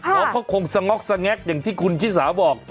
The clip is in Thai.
น้องเขาคงสง๊อกสงแก๊กอย่างที่คุณชิสาบอก